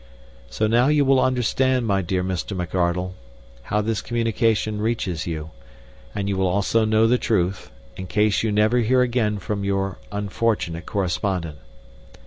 So now you will understand, my dear Mr. McArdle, how this communication reaches you, and you will also know the truth, in case you never hear again from your unfortunate correspondent.